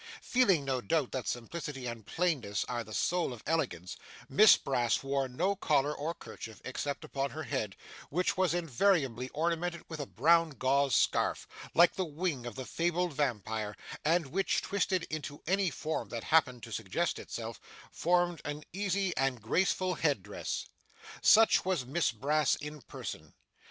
Feeling, no doubt, that simplicity and plainness are the soul of elegance, Miss Brass wore no collar or kerchief except upon her head, which was invariably ornamented with a brown gauze scarf, like the wing of the fabled vampire, and which, twisted into any form that happened to suggest itself, formed an easy and graceful head dress. Such was Miss Brass in person.